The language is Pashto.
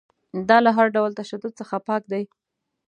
دا له هر ډول تشدد څخه پاک دی.